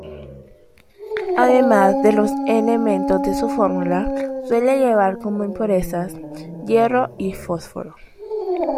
Además de los elementos de su fórmula, suele llevar como impurezas: hierro y fósforo.